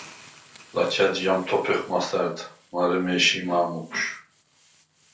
ლაჩა̈დჟი ამთოფეხ მასა̈რდ, მარე მი ეში̄ მა̄მ ოფშუ̂.